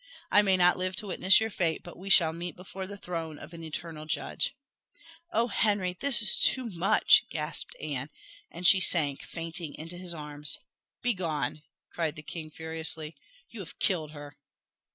I may not live to witness your fate, but we shall meet before the throne of an eternal Judge." "Oh, Henry, this is too much!" gasped Anne, and she sank fainting into his arms. "Begone!" cried the king furiously. "You have killed her!"